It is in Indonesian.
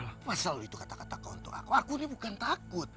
kenapa selalu itu kata kata kau untuk aku aku ini bukan takut